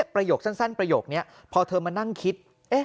ประโยคสั้นประโยคนี้พอเธอมานั่งคิด